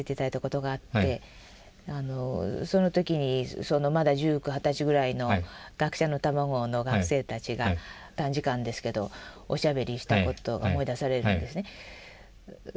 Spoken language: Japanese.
その時にまだ１９二十ぐらいの学生の卵の学生たちが短時間ですけどおしゃべりしたことが思い出されるんですね。